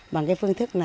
bằng phương thức này